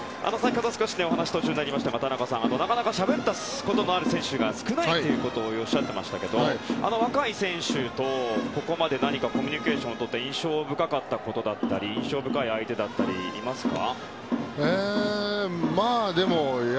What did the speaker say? お話途中になりましたがしゃべったことのある選手が少ないということをおっしゃっていましたが若い選手と、ここまで何かコミュニケーションを取って印象深かったこととか印象深い相手いますか？